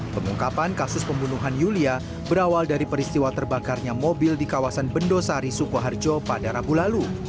pengungkapan kasus pembunuhan yulia berawal dari peristiwa terbakarnya mobil di kawasan bendosari sukoharjo pada rabu lalu